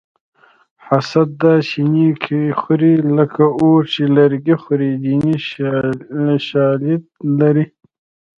حسد داسې نیکي خوري لکه اور چې لرګي خوري دیني شالید لري